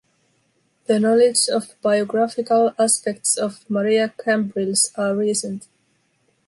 The knowledge of biographical aspects of Maria Cambrils are recent.